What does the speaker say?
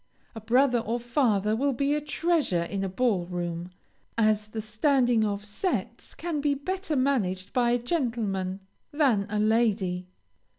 A brother or father will be a treasure in a ball room, as the standing of sets can be better managed by a gentleman than a lady.